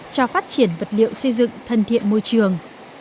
cho phát triển vật liệu xây dựng thân thiện môi trường